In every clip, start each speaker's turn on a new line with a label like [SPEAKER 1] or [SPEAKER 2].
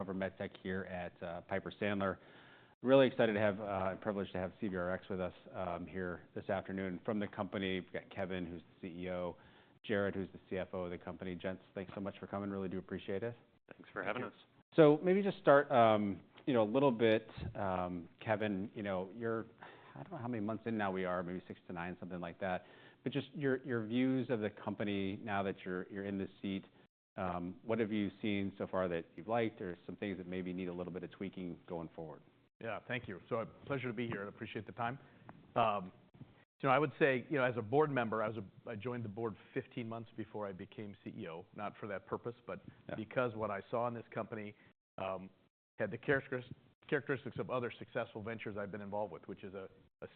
[SPEAKER 1] Robert Metzke here at Piper Sandler. Really excited to have privilege to have CVRx with us here this afternoon. From the company, we've got Kevin, who's the CEO. Jared, who's the CFO of the company. Gents, thanks so much for coming. Really do appreciate it.
[SPEAKER 2] Thanks for having us.
[SPEAKER 1] So, maybe just start, you know, a little bit, Kevin. You know, you're—I don't know—how many months in now we are, maybe six to nine, something like that. But just your views of the company now that you're in this seat, what have you seen so far that you've liked or some things that maybe need a little bit of tweaking going forward?
[SPEAKER 2] Yeah. Thank you. It's a pleasure to be here. I appreciate the time, so I would say, you know, as a board member, I was. I joined the board 15 months before I became CEO, not for that purpose, but.
[SPEAKER 1] Yeah.
[SPEAKER 2] Because what I saw in this company had the characteristics of other successful ventures I've been involved with, which is a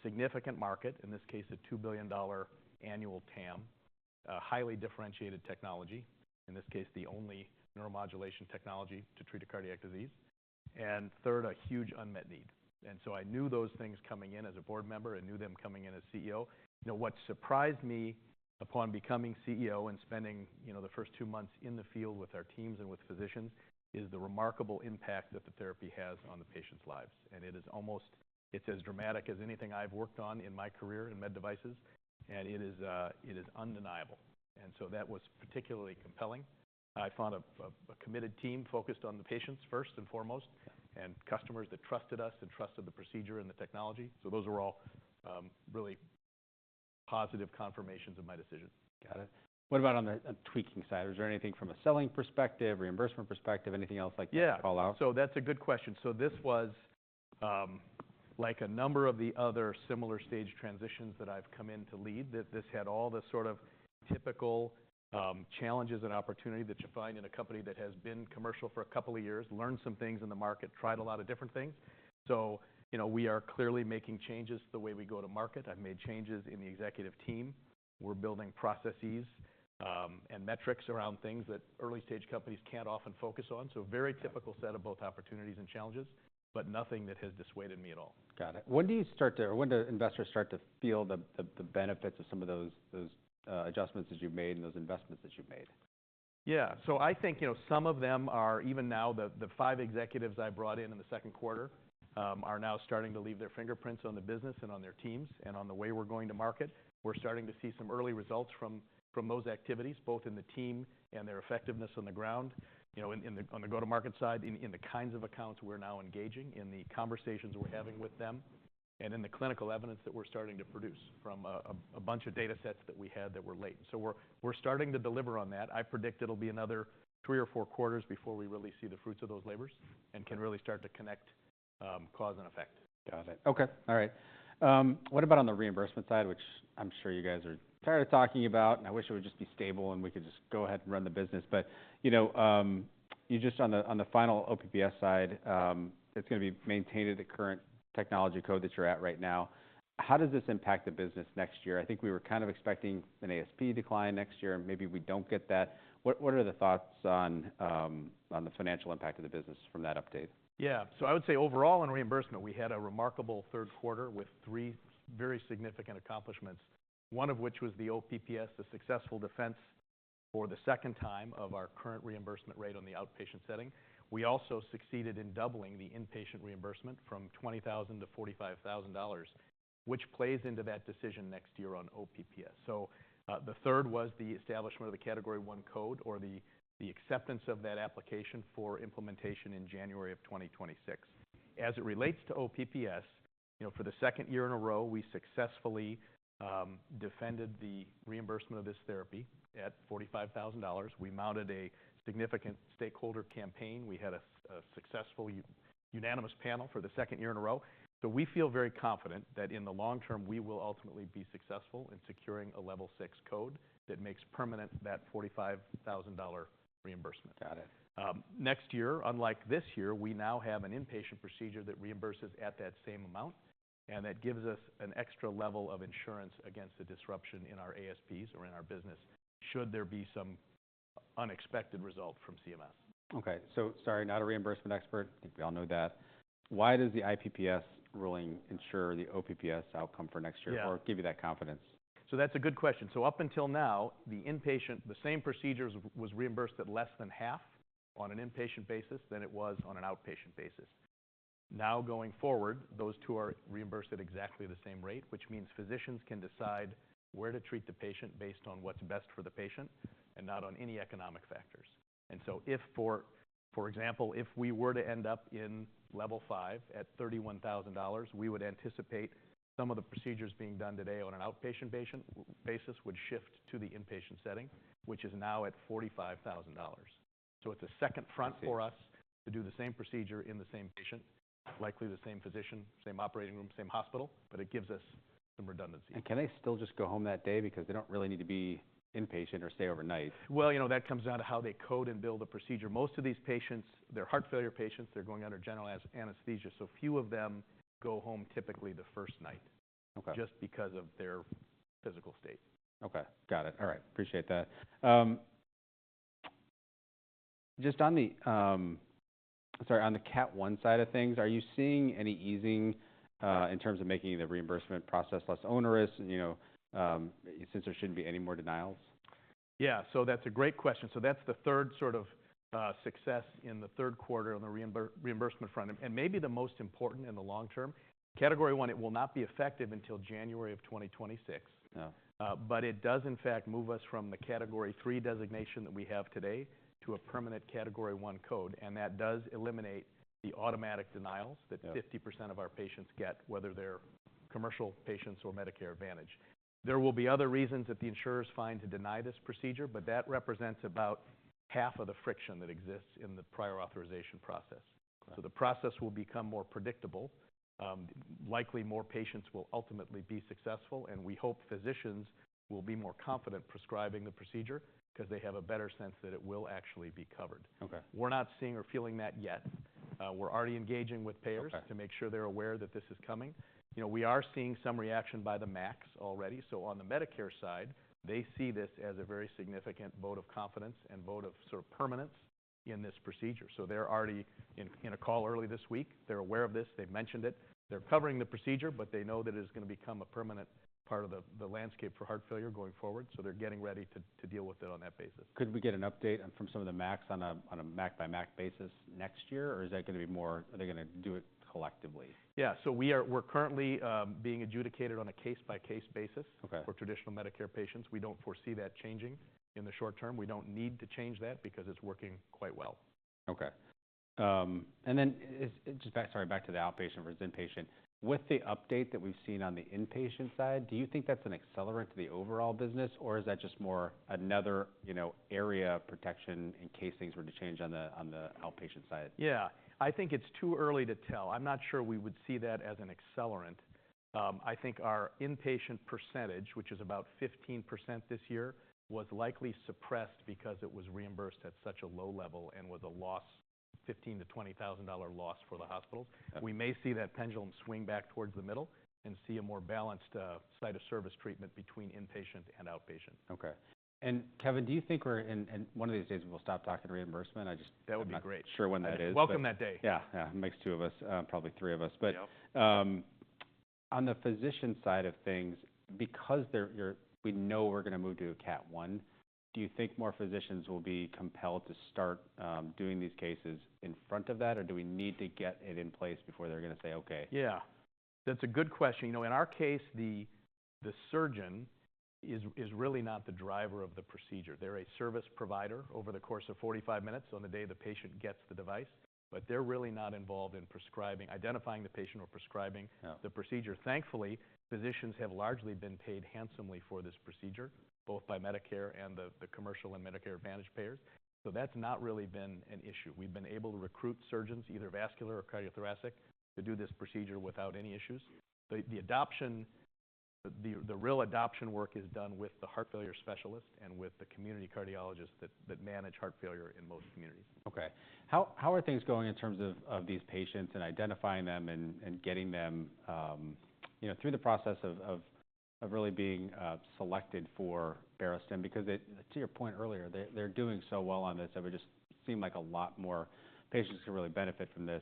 [SPEAKER 2] significant market, in this case, a $2 billion annual TAM, a highly differentiated technology, in this case, the only neuromodulation technology to treat a cardiac disease, and third, a huge unmet need, and so I knew those things coming in as a board member and knew them coming in as CEO. You know, what surprised me upon becoming CEO and spending, you know, the first two months in the field with our teams and with physicians is the remarkable impact that the therapy has on the patient's lives. It is almost it's as dramatic as anything I've worked on in my career in med devices, and it is undeniable, and so that was particularly compelling. I found a committed team focused on the patients first and foremost.
[SPEAKER 1] Yeah.
[SPEAKER 2] And customers that trusted us and trusted the procedure and the technology. So those were all, really positive confirmations of my decision.
[SPEAKER 1] Got it. What about on the tweaking side? Was there anything from a selling perspective, reimbursement perspective, anything else like that to call out?
[SPEAKER 2] Yeah. So that's a good question. So this was, like a number of the other similar stage transitions that I've come in to lead, that this had all the sort of typical, challenges and opportunity that you find in a company that has been commercial for a couple of years, learned some things in the market, tried a lot of different things. So, you know, we are clearly making changes to the way we go to market. I've made changes in the executive team. We're building processes, and metrics around things that early stage companies can't often focus on. So very typical set of both opportunities and challenges, but nothing that has dissuaded me at all.
[SPEAKER 1] Got it. When do you start to or when do investors start to feel the benefits of some of those adjustments that you've made and those investments that you've made?
[SPEAKER 2] Yeah. So I think, you know, some of them are even now the five executives I brought in in the second quarter are now starting to leave their fingerprints on the business and on their teams and on the way we're going to market. We're starting to see some early results from those activities, both in the team and their effectiveness on the ground, you know, in the go-to-market side, in the kinds of accounts we're now engaging, in the conversations we're having with them, and in the clinical evidence that we're starting to produce from a bunch of data sets that we had that were late. So we're starting to deliver on that. I predict it'll be another three or four quarters before we really see the fruits of those labors and can really start to connect cause and effect.
[SPEAKER 1] Got it. Okay. All right. What about on the reimbursement side, which I'm sure you guys are tired of talking about, and I wish it would just be stable and we could just go ahead and run the business, but you know, you just on the final OPPS side, it's gonna be maintained at the current technology code that you're at right now. How does this impact the business next year? I think we were kind of expecting an ASP decline next year. Maybe we don't get that. What are the thoughts on the financial impact of the business from that update?
[SPEAKER 2] Yeah. So I would say overall in reimbursement, we had a remarkable third quarter with three very significant accomplishments, one of which was the OPPS, the successful defense for the second time of our current reimbursement rate on the outpatient setting. We also succeeded in doubling the inpatient reimbursement from $20,000-$45,000, which plays into that decision next year on OPPS. The third was the establishment of the Category I code or the acceptance of that application for implementation in January of 2026. As it relates to OPPS, you know, for the second year in a row, we successfully defended the reimbursement of this therapy at $45,000. We mounted a significant stakeholder campaign. We had a successful unanimous panel for the second year in a row. We feel very confident that in the long term, we will ultimately be successful in securing a Level 6 code that makes permanent that $45,000 reimbursement.
[SPEAKER 1] Got it.
[SPEAKER 2] Next year, unlike this year, we now have an inpatient procedure that reimburses at that same amount, and that gives us an extra level of insurance against the disruption in our ASPs or in our business should there be some unexpected result from CMS.
[SPEAKER 1] Okay. So sorry, not a reimbursement expert. I think we all know that. Why does the IPPS ruling ensure the OPPS outcome for next year?
[SPEAKER 2] Yeah.
[SPEAKER 1] Or give you that confidence?
[SPEAKER 2] So that's a good question. So up until now, the inpatient, the same procedures was reimbursed at less than half on an inpatient basis than it was on an outpatient basis. Now going forward, those two are reimbursed at exactly the same rate, which means physicians can decide where to treat the patient based on what's best for the patient and not on any economic factors. And so if, for, for example, if we were to end up in Level 5 at $31,000, we would anticipate some of the procedures being done today on an outpatient basis would shift to the inpatient setting, which is now at $45,000. So it's a second front for us.
[SPEAKER 1] I see.
[SPEAKER 2] To do the same procedure in the same patient, likely the same physician, same operating room, same hospital, but it gives us some redundancy.
[SPEAKER 1] Can they still just go home that day because they don't really need to be inpatient or stay overnight?
[SPEAKER 2] You know, that comes down to how they code and build a procedure. Most of these patients, they're heart failure patients. They're going under general anesthesia. Few of them go home typically the first night.
[SPEAKER 1] Okay.
[SPEAKER 2] Just because of their physical state.
[SPEAKER 1] Okay. Got it. All right. Appreciate that. Just on the, sorry, on the Category I side of things, are you seeing any easing in terms of making the reimbursement process less onerous, you know, since there shouldn't be any more denials?
[SPEAKER 2] Yeah. So that's a great question. So that's the third sort of success in the third quarter on the reimbursement front. And maybe the most important in the long term, Category I, it will not be effective until January of 2026.
[SPEAKER 1] Yeah.
[SPEAKER 2] But it does, in fact, move us from the Category III designation that we have today to a permanent Category I code. And that does eliminate the automatic denials that.
[SPEAKER 1] Yeah.
[SPEAKER 2] 50% of our patients get, whether they're commercial patients or Medicare Advantage. There will be other reasons that the insurers find to deny this procedure, but that represents about half of the friction that exists in the prior authorization process.
[SPEAKER 1] Okay.
[SPEAKER 2] So the process will become more predictable. Likely more patients will ultimately be successful, and we hope physicians will be more confident prescribing the procedure 'cause they have a better sense that it will actually be covered.
[SPEAKER 1] Okay.
[SPEAKER 2] We're not seeing or feeling that yet. We're already engaging with payers.
[SPEAKER 1] Okay.
[SPEAKER 2] To make sure they're aware that this is coming. You know, we are seeing some reaction by the MACs already. So on the Medicare side, they see this as a very significant vote of confidence and vote of sort of permanence in this procedure. So they're already in a call early this week. They're aware of this. They've mentioned it. They're covering the procedure, but they know that it is gonna become a permanent part of the landscape for heart failure going forward. So they're getting ready to deal with it on that basis.
[SPEAKER 1] Could we get an update from some of the MACs on a MAC by MAC basis next year, or is that gonna be more are they gonna do it collectively?
[SPEAKER 2] Yeah. So we're currently being adjudicated on a case-by-case basis.
[SPEAKER 1] Okay.
[SPEAKER 2] For traditional Medicare patients. We don't foresee that changing in the short term. We don't need to change that because it's working quite well.
[SPEAKER 1] Okay. And then back to the outpatient versus inpatient. With the update that we've seen on the inpatient side, do you think that's an accelerant to the overall business, or is that just another, you know, area of protection in case things were to change on the outpatient side?
[SPEAKER 2] Yeah. I think it's too early to tell. I'm not sure we would see that as an accelerant. I think our inpatient percentage, which is about 15% this year, was likely suppressed because it was reimbursed at such a low level and was a loss, $15,000-$20,000 loss for the hospitals.
[SPEAKER 1] Okay.
[SPEAKER 2] We may see that pendulum swing back towards the middle and see a more balanced, site of service treatment between inpatient and outpatient.
[SPEAKER 1] Okay. And Kevin, do you think we're in one of these days we'll stop talking reimbursement? I just.
[SPEAKER 2] That would be great.
[SPEAKER 1] Sure, when that is.
[SPEAKER 2] Welcome that day.
[SPEAKER 1] Yeah. Yeah. It makes two of us, probably three of us. But.
[SPEAKER 2] Yep.
[SPEAKER 1] on the physician side of things, because there, you know, we're gonna move to a Category I, do you think more physicians will be compelled to start doing these cases in front of that, or do we need to get it in place before they're gonna say, "Okay"?
[SPEAKER 2] Yeah. That's a good question. You know, in our case, the surgeon is really not the driver of the procedure. They're a service provider over the course of 45 minutes on the day the patient gets the device, but they're really not involved in prescribing, identifying the patient or prescribing.
[SPEAKER 1] Yeah.
[SPEAKER 2] The procedure. Thankfully, physicians have largely been paid handsomely for this procedure, both by Medicare and the commercial and Medicare Advantage payers. So that's not really been an issue. We've been able to recruit surgeons, either vascular or cardiothoracic, to do this procedure without any issues. The adoption, the real adoption work is done with the heart failure specialist and with the community cardiologists that manage heart failure in most communities.
[SPEAKER 1] Okay. How are things going in terms of these patients and identifying them and getting them, you know, through the process of really being selected for Barostim? Because, to your point earlier, they're doing so well on this. It would just seem like a lot more patients could really benefit from this,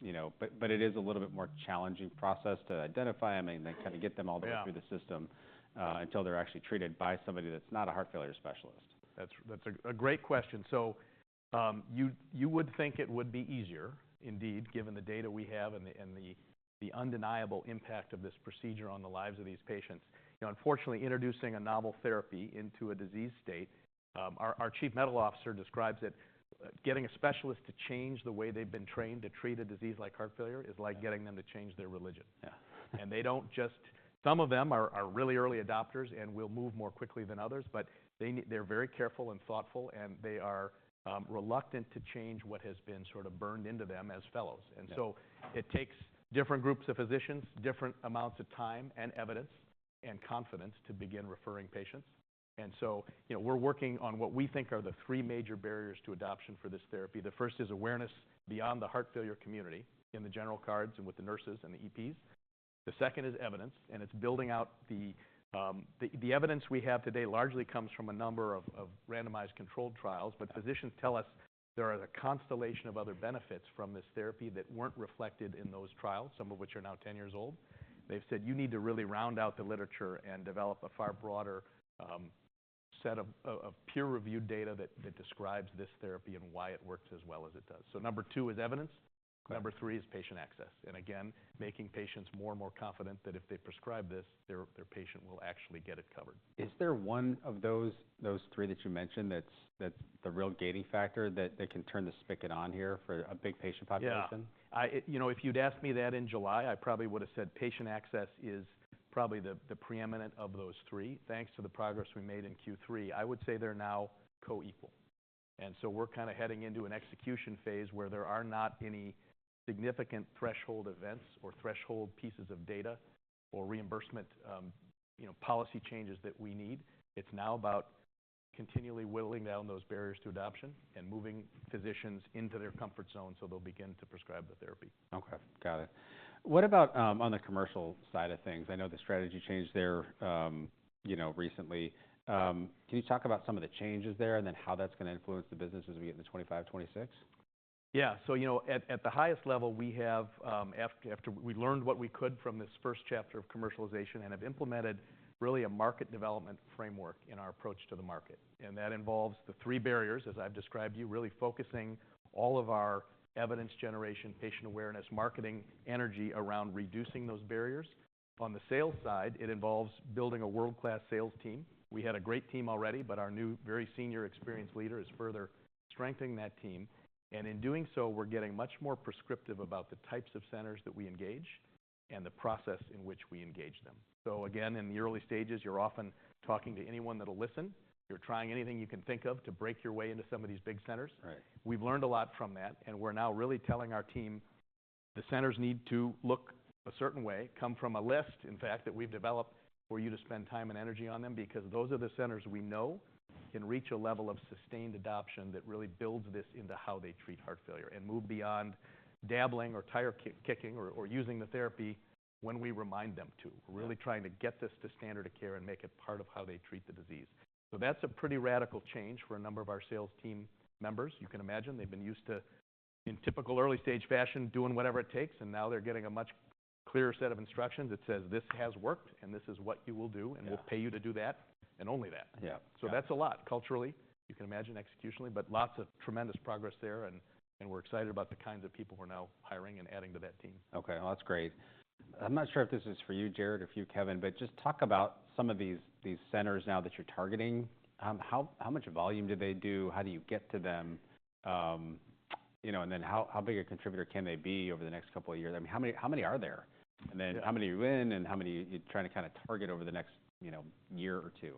[SPEAKER 1] you know, but it is a little bit more challenging process to identify them and then kind of get them all the way through the system.
[SPEAKER 2] Yeah.
[SPEAKER 1] until they're actually treated by somebody that's not a heart failure specialist.
[SPEAKER 2] That's a great question. So, you would think it would be easier, indeed, given the data we have and the undeniable impact of this procedure on the lives of these patients. You know, unfortunately, introducing a novel therapy into a disease state, our chief medical officer describes it, getting a specialist to change the way they've been trained to treat a disease like heart failure is like getting them to change their religion.
[SPEAKER 1] Yeah.
[SPEAKER 2] They don't. Just some of them are really early adopters and will move more quickly than others, but they're very careful and thoughtful, and they are reluctant to change what has been sort of burned into them as fellows.
[SPEAKER 1] Yeah.
[SPEAKER 2] It takes different groups of physicians different amounts of time and evidence and confidence to begin referring patients. And so, you know, we're working on what we think are the three major barriers to adoption for this therapy. The first is awareness beyond the heart failure community in the general cardiology and with the nurses and the EPs. The second is evidence, and it's building out the evidence we have today largely comes from a number of randomized controlled trials.
[SPEAKER 1] Yeah.
[SPEAKER 2] But physicians tell us there are a constellation of other benefits from this therapy that weren't reflected in those trials, some of which are now 10 years old. They've said, "You need to really round out the literature and develop a far broader set of peer-reviewed data that describes this therapy and why it works as well as it does." So number two is evidence.
[SPEAKER 1] Okay.
[SPEAKER 2] Number three is patient access, and again, making patients more and more confident that if they prescribe this, their patient will actually get it covered.
[SPEAKER 1] Is there one of those three that you mentioned that's the real gating factor that can turn the spigot on here for a big patient population?
[SPEAKER 2] Yeah. You know, if you'd asked me that in July, I probably would've said patient access is probably the preeminent of those three. Thanks to the progress we made in Q3, I would say they're now co-equal. And so we're kind of heading into an execution phase where there are not any significant threshold events or threshold pieces of data or reimbursement, you know, policy changes that we need. It's now about continually whittling down those barriers to adoption and moving physicians into their comfort zone so they'll begin to prescribe the therapy.
[SPEAKER 1] Okay. Got it. What about, on the commercial side of things? I know the strategy changed there, you know, recently. Can you talk about some of the changes there and then how that's gonna influence the business as we get into 2025, 2026?
[SPEAKER 2] Yeah. So, you know, at the highest level, we have after we learned what we could from this first chapter of commercialization and have implemented really a market development framework in our approach to the market. And that involves the three barriers, as I've described to you, really focusing all of our evidence generation, patient awareness, marketing energy around reducing those barriers. On the sales side, it involves building a world-class sales team. We had a great team already, but our new very senior experienced leader is further strengthening that team. And in doing so, we're getting much more prescriptive about the types of centers that we engage and the process in which we engage them. So again, in the early stages, you're often talking to anyone that'll listen. You're trying anything you can think of to break your way into some of these big centers.
[SPEAKER 1] Right.
[SPEAKER 2] We've learned a lot from that, and we're now really telling our team the centers need to look a certain way, come from a list, in fact, that we've developed for you to spend time and energy on them because those are the centers we know can reach a level of sustained adoption that really builds this into how they treat heart failure and move beyond dabbling or tire kicking or, or using the therapy when we remind them to.
[SPEAKER 1] Yeah.
[SPEAKER 2] We're really trying to get this to standard of care and make it part of how they treat the disease. So that's a pretty radical change for a number of our sales team members. You can imagine they've been used to, in typical early stage fashion, doing whatever it takes, and now they're getting a much clearer set of instructions that says, "This has worked, and this is what you will do, and we'll pay you to do that and only that.
[SPEAKER 1] Yeah.
[SPEAKER 2] So that's a lot culturally. You can imagine executionally, but lots of tremendous progress there, and, and we're excited about the kinds of people we're now hiring and adding to that team.
[SPEAKER 1] Okay. Well, that's great. I'm not sure if this is for you, Jared, or for you, Kevin, but just talk about some of these centers now that you're targeting. How much volume do they do? How do you get to them? You know, and then how big a contributor can they be over the next couple of years? I mean, how many are there? And then how many do you win, and how many are you trying to kind of target over the next, you know, year or two?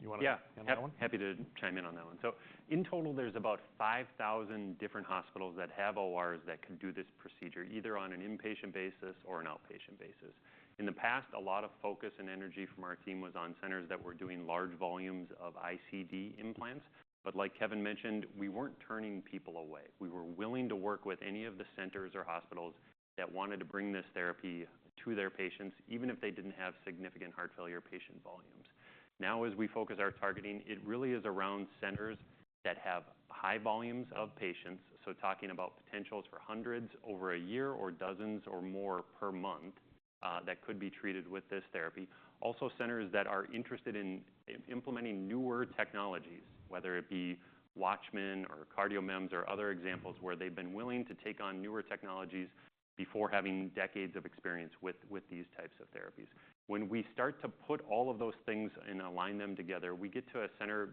[SPEAKER 2] You wanna.
[SPEAKER 3] Yeah.
[SPEAKER 2] On that one?
[SPEAKER 3] Happy to chime in on that one. So in total, there's about 5,000 different hospitals that have ORs that can do this procedure either on an inpatient basis or an outpatient basis. In the past, a lot of focus and energy from our team was on centers that were doing large volumes of ICD implants. But like Kevin mentioned, we weren't turning people away. We were willing to work with any of the centers or hospitals that wanted to bring this therapy to their patients, even if they didn't have significant heart failure patient volumes. Now, as we focus our targeting, it really is around centers that have high volumes of patients. So talking about potentials for hundreds over a year or dozens or more per month, that could be treated with this therapy. Also, centers that are interested in implementing newer technologies, whether it be Watchman or CardioMEMS or other examples where they've been willing to take on newer technologies before having decades of experience with, with these types of therapies. When we start to put all of those things and align them together, we get to a center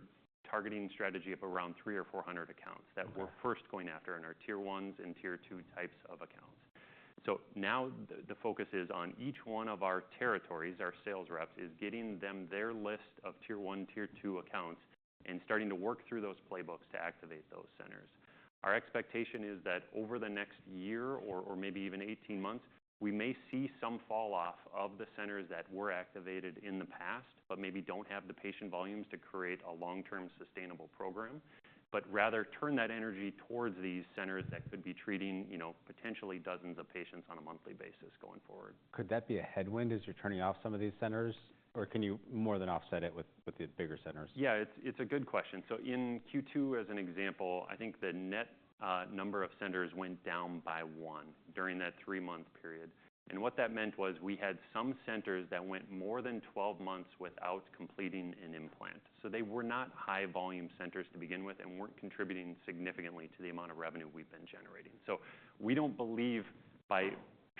[SPEAKER 3] targeting strategy of around 300 or 400 accounts that we're first going after in our tier ones and tier two types of accounts. So now the focus is on each one of our territories, our sales reps, is getting them their list of tier one, tier two accounts and starting to work through those playbooks to activate those centers. Our expectation is that over the next year or maybe even 18 months, we may see some falloff of the centers that were activated in the past but maybe don't have the patient volumes to create a long-term sustainable program, but rather turn that energy towards these centers that could be treating, you know, potentially dozens of patients on a monthly basis going forward.
[SPEAKER 1] Could that be a headwind as you're turning off some of these centers, or can you more than offset it with the bigger centers?
[SPEAKER 3] Yeah. It's a good question. So in Q2, as an example, I think the net number of centers went down by one during that three-month period. And what that meant was we had some centers that went more than 12 months without completing an implant. So they were not high-volume centers to begin with and weren't contributing significantly to the amount of revenue we've been generating. So we don't believe by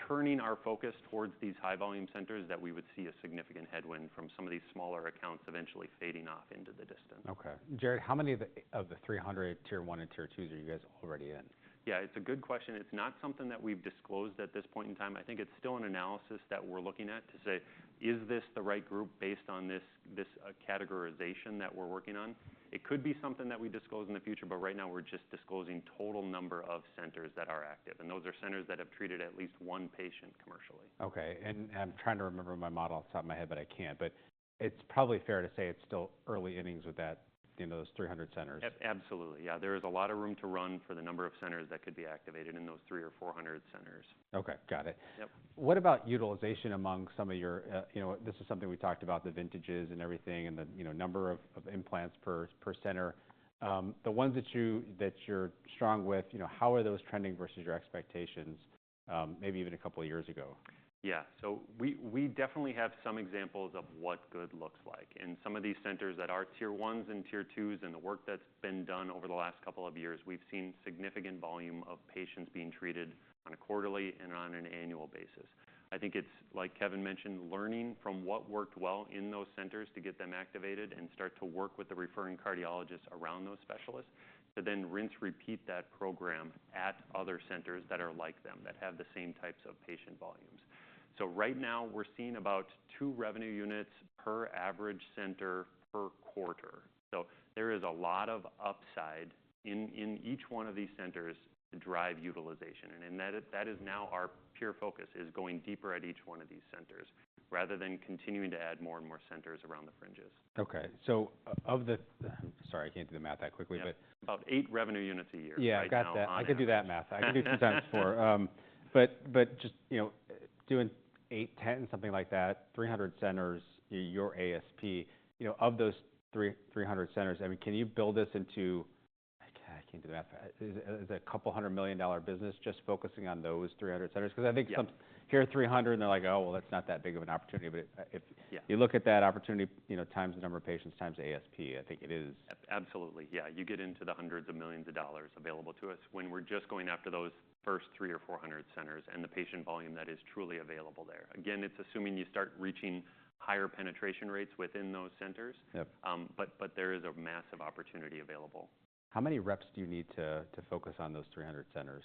[SPEAKER 3] turning our focus towards these high-volume centers that we would see a significant headwind from some of these smaller accounts eventually fading off into the distance.
[SPEAKER 1] Okay. Jared, how many of the 300 Tier 1 and Tier 2 are you guys already in?
[SPEAKER 3] Yeah. It's a good question. It's not something that we've disclosed at this point in time. I think it's still an analysis that we're looking at to say, "Is this the right group based on this, this, categorization that we're working on?" It could be something that we disclose in the future, but right now we're just disclosing total number of centers that are active, and those are centers that have treated at least one patient commercially.
[SPEAKER 1] Okay. And I'm trying to remember my model off the top of my head, but I can't. But it's probably fair to say it's still early innings with that, you know, those 300 centers.
[SPEAKER 3] Absolutely. Yeah. There is a lot of room to run for the number of centers that could be activated in those 300 or 400 centers.
[SPEAKER 1] Okay. Got it.
[SPEAKER 3] Yep.
[SPEAKER 1] What about utilization among some of your, you know, this is something we talked about, the vintages and everything and the, you know, number of implants per center. The ones that you're strong with, you know, how are those trending versus your expectations, maybe even a couple of years ago?
[SPEAKER 3] Yeah. So we definitely have some examples of what good looks like, and some of these centers that are tier ones and tier twos and the work that's been done over the last couple of years, we've seen significant volume of patients being treated on a quarterly and on an annual basis. I think it's, like Kevin mentioned, learning from what worked well in those centers to get them activated and start to work with the referring cardiologists around those specialists to then rinse and repeat that program at other centers that are like them that have the same types of patient volumes. So right now we're seeing about two revenue units per average center per quarter. So there is a lot of upside in each one of these centers to drive utilization. That is now our pure focus is going deeper at each one of these centers rather than continuing to add more and more centers around the fringes.
[SPEAKER 1] Okay. So of the, sorry, I can't do the math that quickly, but.
[SPEAKER 3] About eight revenue units a year.
[SPEAKER 1] Yeah. I got that.
[SPEAKER 3] Yeah.
[SPEAKER 1] I could do that math. I could do 10 times four. But just, you know, doing eight, 10, something like that, 300 centers, your ASP, you know, of those 300 centers, I mean, can you build this into like, I can't do the math. Is it a couple hundred million-dollar business just focusing on those 300 centers? 'Cause I think some.
[SPEAKER 3] Yeah.
[SPEAKER 1] Here 300 and they're like, "Oh, well, that's not that big of an opportunity." But if.
[SPEAKER 3] Yeah.
[SPEAKER 1] You look at that opportunity, you know, times the number of patients times ASP, I think it is.
[SPEAKER 3] Absolutely. Yeah. You get into the hundreds of millions of dollars available to us when we're just going after those first 300 or 400 centers and the patient volume that is truly available there. Again, it's assuming you start reaching higher penetration rates within those centers.
[SPEAKER 1] Yep.
[SPEAKER 3] But there is a massive opportunity available.
[SPEAKER 1] How many reps do you need to focus on those 300 centers?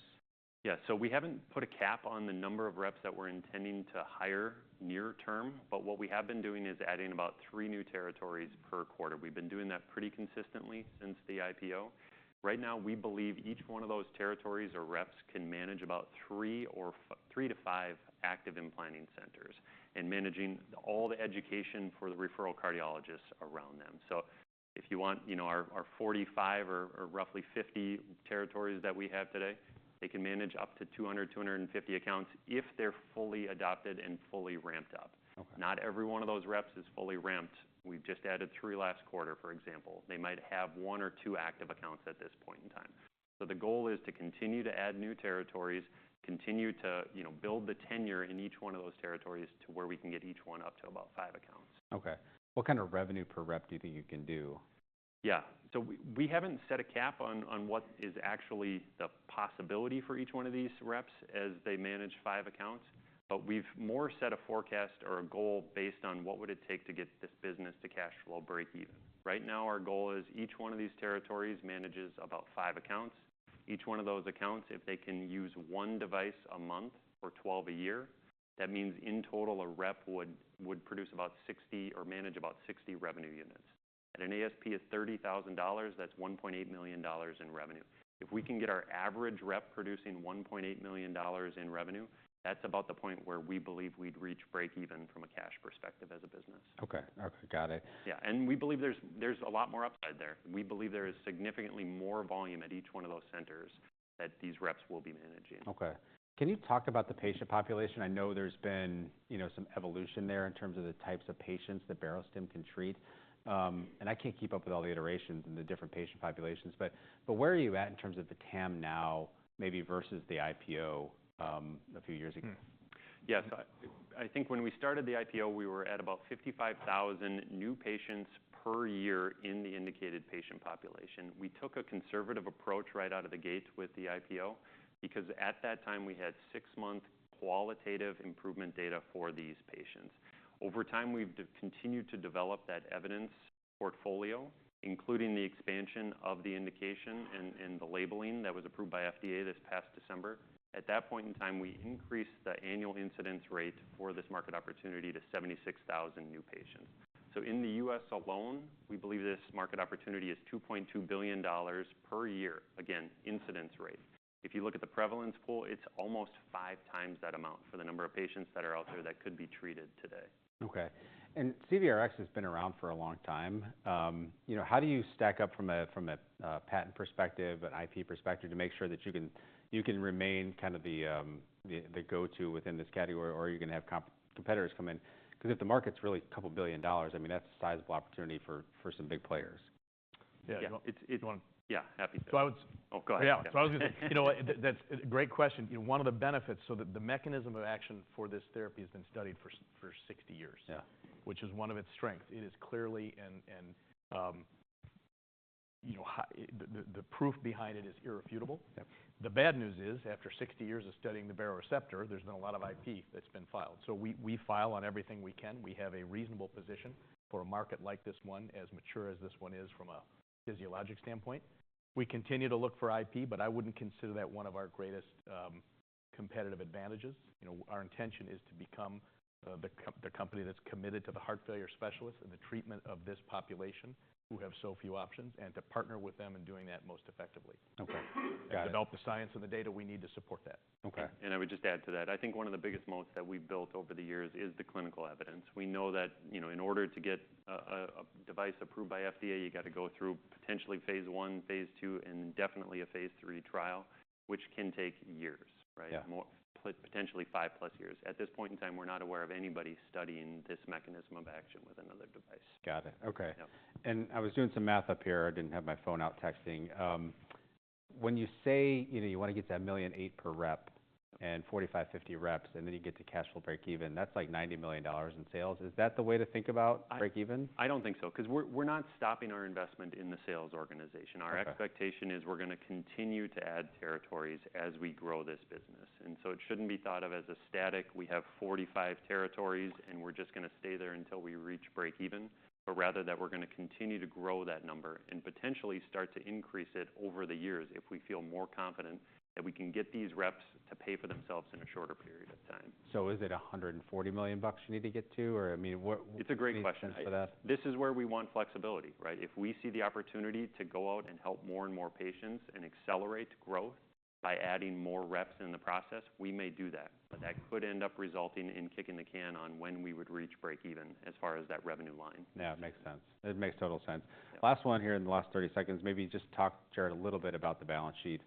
[SPEAKER 3] Yeah. We haven't put a cap on the number of reps that we're intending to hire near term, but what we have been doing is adding about three new territories per quarter. We've been doing that pretty consistently since the IPO. Right now, we believe each one of those territories or reps can manage about three or four to five active implanting centers and managing all the education for the referral cardiologists around them. So if you want, you know, our 45 or roughly 50 territories that we have today, they can manage up to 200-250 accounts if they're fully adopted and fully ramped up.
[SPEAKER 1] Okay.
[SPEAKER 3] Not every one of those reps is fully ramped. We've just added three last quarter, for example. They might have one or two active accounts at this point in time. So the goal is to continue to add new territories, continue to, you know, build the tenure in each one of those territories to where we can get each one up to about five accounts.
[SPEAKER 1] Okay. What kind of revenue per rep do you think you can do?
[SPEAKER 3] Yeah. So we haven't set a cap on what is actually the possibility for each one of these reps as they manage five accounts, but we've more set a forecast or a goal based on what would it take to get this business to cash flow break even. Right now, our goal is each one of these territories manages about five accounts. Each one of those accounts, if they can use one device a month or 12 a year, that means in total a rep would produce about 60 or manage about 60 revenue units. At an ASP of $30,000, that's $1.8 million in revenue. If we can get our average rep producing $1.8 million in revenue, that's about the point where we believe we'd reach break even from a cash perspective as a business.
[SPEAKER 1] Okay. Okay. Got it.
[SPEAKER 3] Yeah. And we believe there's, there's a lot more upside there. We believe there is significantly more volume at each one of those centers that these reps will be managing.
[SPEAKER 1] Okay. Can you talk about the patient population? I know there's been, you know, some evolution there in terms of the types of patients that Barostim can treat, and I can't keep up with all the iterations and the different patient populations, but where are you at in terms of the TAM now, maybe versus the IPO, a few years ago?
[SPEAKER 3] Yeah. So I think when we started the IPO, we were at about 55,000 new patients per year in the indicated patient population. We took a conservative approach right out of the gate with the IPO because at that time we had six-month qualitative improvement data for these patients. Over time, we've continued to develop that evidence portfolio, including the expansion of the indication and the labeling that was approved by FDA this past December. At that point in time, we increased the annual incidence rate for this market opportunity to 76,000 new patients. So in the US alone, we believe this market opportunity is $2.2 billion per year. Again, incidence rate. If you look at the prevalence pool, it's almost five times that amount for the number of patients that are out there that could be treated today.
[SPEAKER 1] Okay. And CVRx has been around for a long time. You know, how do you stack up from a patent perspective, an IP perspective, to make sure that you can remain kind of the go-to within this category or you're gonna have competitors come in? 'Cause if the market's really $2 billion, I mean, that's a sizable opportunity for some big players.
[SPEAKER 3] Yeah.
[SPEAKER 1] Yeah.
[SPEAKER 3] It's.
[SPEAKER 1] One.
[SPEAKER 3] Yeah. Happy to.
[SPEAKER 1] So I was.
[SPEAKER 3] Oh, go ahead.
[SPEAKER 1] Yeah.
[SPEAKER 2] I was gonna say, you know what? That's a great question. You know, one of the benefits, so the mechanism of action for this therapy has been studied for 60 years.
[SPEAKER 1] Yeah.
[SPEAKER 2] Which is one of its strengths. It is clearly and, you know, the proof behind it is irrefutable.
[SPEAKER 1] Yep.
[SPEAKER 2] The bad news is after 60 years of studying the baroreceptor, there's been a lot of IP that's been filed. So we file on everything we can. We have a reasonable position for a market like this one, as mature as this one is from a physiologic standpoint. We continue to look for IP, but I wouldn't consider that one of our greatest competitive advantages. You know, our intention is to become the company that's committed to the heart failure specialists and the treatment of this population who have so few options and to partner with them in doing that most effectively.
[SPEAKER 1] Okay. Got it.
[SPEAKER 2] Develop the science and the data we need to support that.
[SPEAKER 1] Okay.
[SPEAKER 2] And I would just add to that. I think one of the biggest moments that we've built over the years is the clinical evidence. We know that, you know, in order to get a device approved by FDA, you gotta go through potentially phase I, phase II, and definitely a phase III trial, which can take years, right?
[SPEAKER 1] Yeah.
[SPEAKER 2] More potentially 5+ years. At this point in time, we're not aware of anybody studying this mechanism of action with another device.
[SPEAKER 1] Got it. Okay.
[SPEAKER 2] Yeah.
[SPEAKER 1] I was doing some math up here. I didn't have my phone out texting when you say, you know, you wanna get to a million eight per rep and 45-50 reps, and then you get to cash flow break even. That's like $90 million in sales. Is that the way to think about break even?
[SPEAKER 2] I don't think so. 'Cause we're not stopping our investment in the sales organization.
[SPEAKER 1] Okay.
[SPEAKER 2] Our expectation is we're gonna continue to add territories as we grow this business, and so it shouldn't be thought of as a static. We have 45 territories and we're just gonna stay there until we reach break even, but rather that we're gonna continue to grow that number and potentially start to increase it over the years if we feel more confident that we can get these reps to pay for themselves in a shorter period of time.
[SPEAKER 1] Is it $140 million you need to get to or, I mean, what?
[SPEAKER 2] It's a great question.
[SPEAKER 1] Anything else for that?
[SPEAKER 2] This is where we want flexibility, right? If we see the opportunity to go out and help more and more patients and accelerate growth by adding more reps in the process, we may do that. But that could end up resulting in kicking the can on when we would reach break even as far as that revenue line.
[SPEAKER 1] Yeah. It makes sense. It makes total sense. Last one here in the last 30 seconds, maybe just talk, Jared, a little bit about the balance sheet,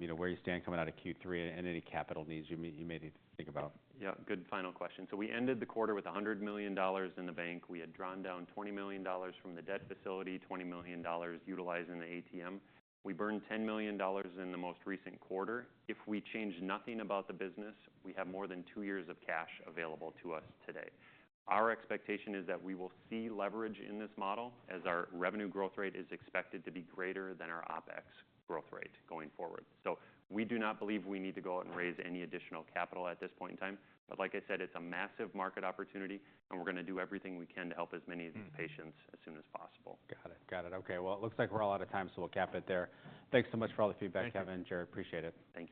[SPEAKER 1] you know, where you stand coming out of Q3 and any capital needs you may need to think about.
[SPEAKER 3] Yeah. Good final question. So we ended the quarter with $100 million in the bank. We had drawn down $20 million from the debt facility, $20 million utilizing the ATM. We burned $10 million in the most recent quarter. If we change nothing about the business, we have more than two years of cash available to us today. Our expectation is that we will see leverage in this model as our revenue growth rate is expected to be greater than our OpEx growth rate going forward. So we do not believe we need to go out and raise any additional capital at this point in time. But like I said, it's a massive market opportunity and we're gonna do everything we can to help as many of these patients as soon as possible.
[SPEAKER 1] Got it. Got it. Okay. It looks like we're all out of time, so we'll cap it there. Thanks so much for all the feedback, Kevin.
[SPEAKER 2] Yeah.
[SPEAKER 1] Jared, appreciate it.